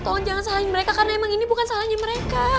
tolong jangan salahin mereka karena emang ini bukan salahnya mereka